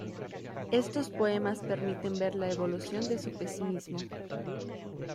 Estos poemas permiten ver la evolución de su pesimismo.